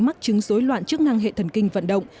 mắc chứng dối loạn chức năng hệ thần kinh vận động